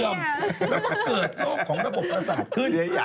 เสิร์มเพราะเกิดโรคของระบบปราศาสตร์ขึ้น